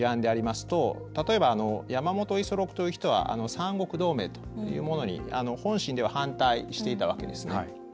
例えば山本五十六という人は三国同盟というものに本心では反対していたわけですね。